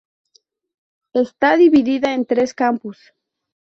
Está dividida en tres campus.